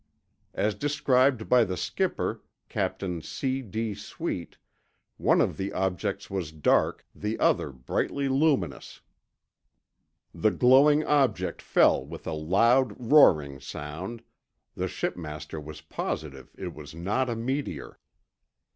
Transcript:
As described by the skipper, Captain C. D. Sweet, one of the objects was dark, the other brightly luminous. The glowing object fell with a loud roaring sound; the shipmaster was positive it was not a meteor.